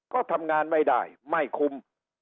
ก็ทำงานไม่ได้ไม่คุ้ม